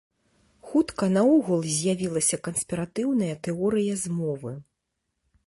Хутка наогул з'явілася канспіратыўная тэорыя змовы.